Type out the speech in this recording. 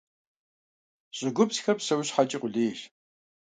ЩӀыгупсхэр псэущхьэкӀи къулейщ.